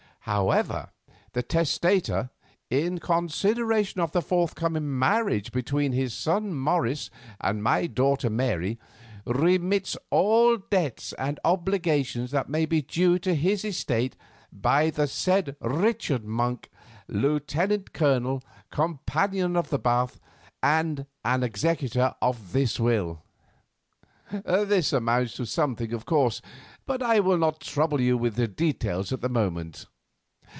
However, the testator 'in consideration of the forthcoming marriage between his son Morris and my daughter Mary, remits all debts and obligations that may be due to his estate by the said Richard Monk, Lieutenant Colonel, Companion of the Bath, and an executor of this will.' This amounts to something, of course, but I will not trouble you with details at the moment.